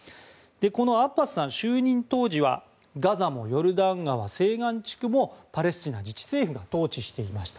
このアッバスさん、就任当時はガザもヨルダン川西岸地区もパレスチナ自治政府が統治していました。